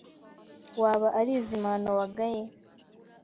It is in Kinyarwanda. Waba ari izimano wagaye?